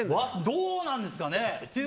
どうなんですかね。